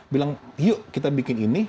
bilang yuk kita bikin ini